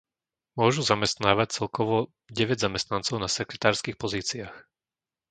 Môžu zamestnávať celkovo deväť zamestnancov na sekretárskych pozíciách.